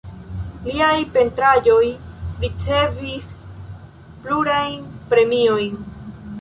Liaj pentraĵoj ricevis plurajn premiojn.